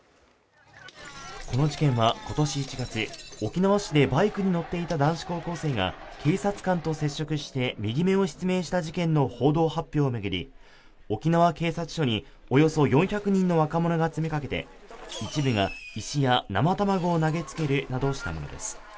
この事件はことし１月沖縄市でバイクに乗っていた男子高校生が警察官と接触して右目を失明した事件の報道発表を巡り沖縄警察署におよそ４００人の若者が詰めかけて一部が石や生卵を投げつけるなどしたものです